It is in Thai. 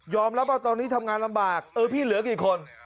รับว่าตอนนี้ทำงานลำบากเออพี่เหลือกี่คน